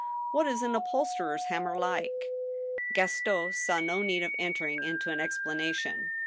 " What is an upholsterer's hammer like ?" Gaston saw no need of entering into an explanation.